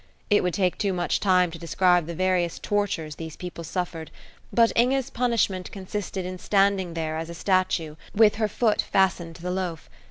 It would take too much time to describe the various tortures these people suffered, but Inge's punishment consisted in standing there as a statue, with her foot fastened to the loaf.